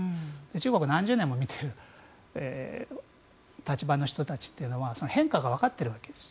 中国を何十年も見ている立場の人たちは変化がわかっているわけです。